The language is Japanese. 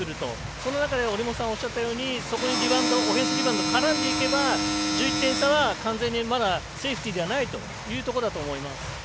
その中で折茂さんがおっしゃったようにそこにオフェンスリバウンド絡んでくると１１点差は完全にまだセーフティーではないというところだと思います。